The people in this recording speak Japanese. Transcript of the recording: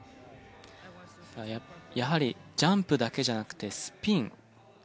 やはりジャンプだけじゃなくてスピン。